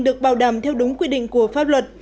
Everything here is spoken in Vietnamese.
được bảo đảm theo đúng quy định của pháp luật